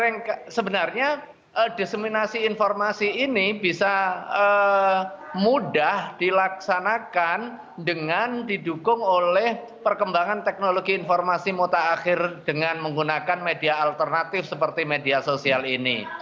karena sebenarnya diseminasi informasi ini bisa mudah dilaksanakan dengan didukung oleh perkembangan teknologi informasi mutak akhir dengan menggunakan media alternatif seperti media sosial ini